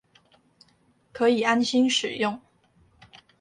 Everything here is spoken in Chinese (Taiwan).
可以安心使用